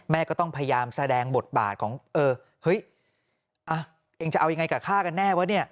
ก็ต้องพยายามแสดงบทบาทของเออเฮ้ยเองจะเอายังไงกับฆ่ากันแน่วะเนี่ย